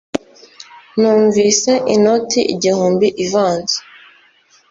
Numvise inoti igihumbi ivanze